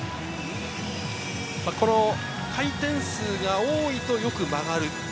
回転数が多いとよく曲がる。